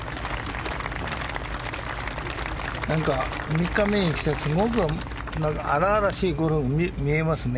３日目にきてすごく荒々しいゴルフに見えますね。